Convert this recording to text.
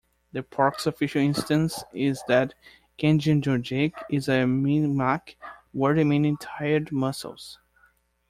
The park's official stance is that Kejimkujik is a Mi'kmaq word meaning "tired muscles".